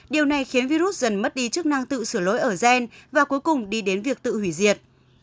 điều này khiến virus dần mất đi chức năng tự sửa lỗi ở gen và cuối cùng đi đến việc tự hủy diệt